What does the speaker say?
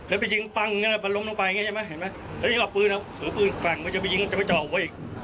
แล้วไปยิงปังมันลงลงไปเห็นไหมแล้วก็ปืนเอาถือปืนฝั่งมันจะไปยิงมันจะไปเจาะหัวอีก